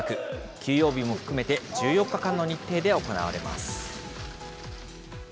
休養日も含めて１４日間の日程で行われます。